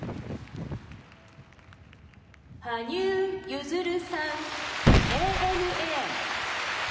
羽生結弦さん、ＡＮＡ。